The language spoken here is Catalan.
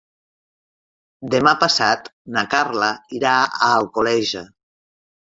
Demà passat na Carla irà a Alcoleja.